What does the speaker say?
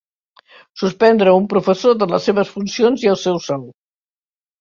Suspendre un professor de les seves funcions i el seu sou.